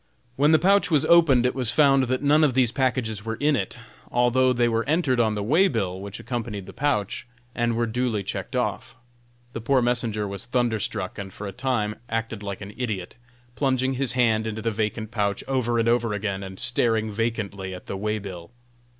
When the pouch was opened, it was found that none of these packages were in it, although they were entered on the way bill which accompanied the pouch, and were duly checked off. The poor messenger was thunder struck, and for a time acted like an idiot, plunging his hand into the vacant pouch over and over again, and staring vacantly at the way bill.